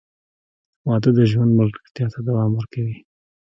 • واده د ژوند ملګرتیا ته دوام ورکوي.